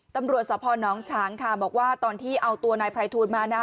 ตำรวจสพนฉางค่ะบอกว่าตอนที่เอาตัวนายไพรทูลมานะ